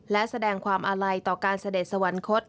และแสดงความอาลัยต่อการเสด็จสวรรคต